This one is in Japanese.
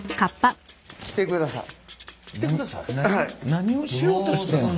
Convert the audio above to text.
何をしようとしてんの？